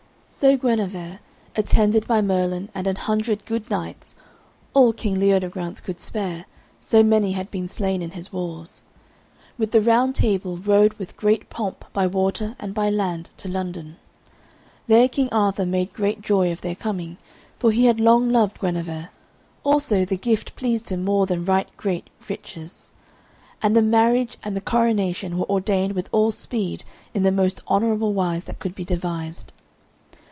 So Guenever, attended by Merlin and an hundred good knights (all King Leodegrance could spare, so many had been slain in his wars) with the Round Table rode with great pomp by water and by land to London. There King Arthur made great joy of their coming, for he had long loved Guenever. Also the gift pleased him more than right great riches. And the marriage and the coronation were ordained with all speed in the most honourable wise that could be devised.